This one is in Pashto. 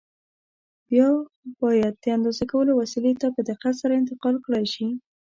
بیا باید د اندازه کولو وسیلې ته په دقت سره انتقال کړای شي.